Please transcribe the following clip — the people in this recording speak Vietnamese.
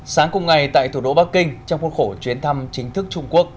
sáng cùng ngày tại thủ đô bắc kinh trong khuôn khổ chuyến thăm chính thức trung quốc